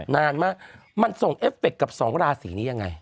นานมากมันส่งเอฟเฟคกับสองราศีนี้ยังไง